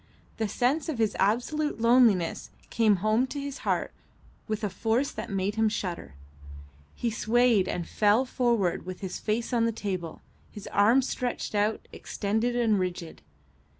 The sense of his absolute loneliness came home to his heart with a force that made him shudder. He swayed and fell forward with his face on the table, his arms stretched straight out, extended and rigid.